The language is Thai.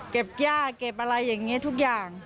ย่าเก็บอะไรอย่างนี้ทุกอย่าง